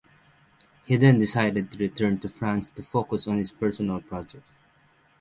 He then decided to return to France to focus on his personal project.